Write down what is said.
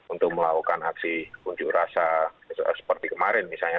untuk melakukan aksi unjuk rasa seperti kemarin misalnya